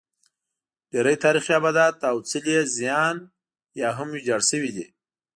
ډېری تاریخي ابدات او څلي یې زیان یا هم ویجاړ شوي دي